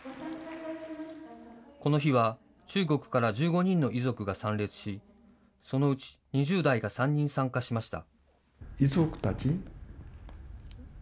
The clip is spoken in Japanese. この日は、中国から１５人の遺族が参列し、そのうち２０代が３人参加しました。